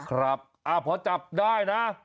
ครับพอจับได้นะ